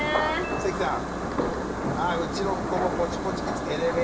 関さん。